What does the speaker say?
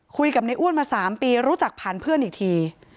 คุยกับในอ้วนมา๓ปีรู้จักผ่านเพื่อนอีกที